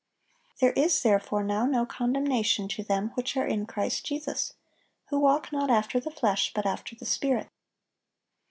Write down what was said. "There is therefore now no condemnation to them which are in Christ Jesus, who walk not after the flesh, but after the Spirit."